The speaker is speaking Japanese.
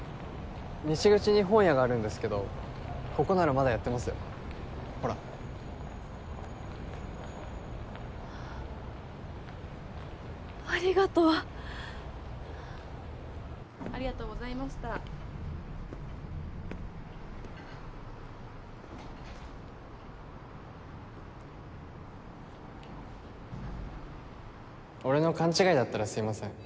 西口に本屋があるんですけどここならまだやってますよほらありがとう・ありがとうございました俺の勘違いだったらすいません